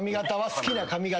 好きな髪形。